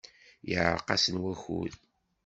Yeɛreq-asen wakud.